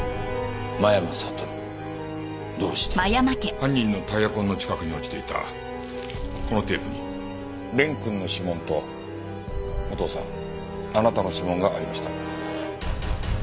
犯人のタイヤ痕の近くに落ちていたこのテープに蓮くんの指紋とお父さんあなたの指紋がありました。